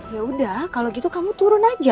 yaudah kalo gitu kamu turun aja